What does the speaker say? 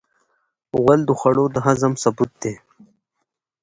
غول د خوړو د هضم ثبوت دی.